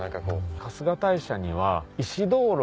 春日大社には。